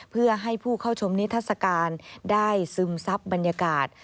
เพื่อให้ผู้เข้าชมนิทัศกาลได้ซึมซับบรรยากาศ